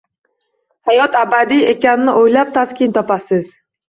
Hayot abadiy ekanini o’ylab, taskin topasiz.